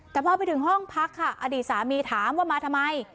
แต่พอไปถึงห้องพักค่ะอดีตสามีถามว่ามาทำไม